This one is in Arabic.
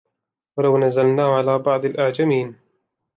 ولو نزلناه على بعض الأعجمين